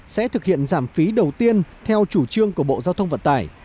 sẽ thực hiện giảm phí đầu tiên theo chủ trương của bộ giao thông vận tải